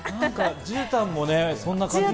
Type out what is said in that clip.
じゅうたんも。